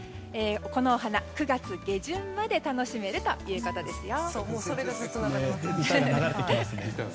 このお花、９月下旬まで楽しめるということですよ。